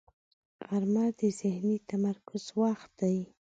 غرمه د ذهني تمرکز وخت دی